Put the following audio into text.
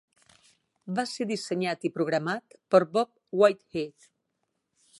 Va ser dissenyat i programat per Bob Whitehead.